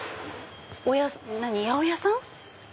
八百屋さん？